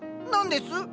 何です？